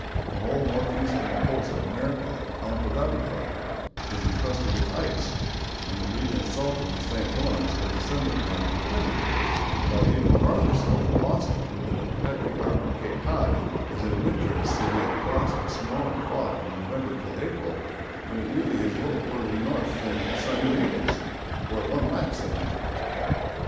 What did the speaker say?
The whole northeastern coast of America, down to Labrador, is incrusted with ice; and the region south of the St. Lawrence has a similar climate to Finland; while even farther south, Boston, within the protecting arm of Cape Cod, is in winter a city of frost and snow and fog from November till April, when it really is little farther north than sunny Naples, where one laughs at winter.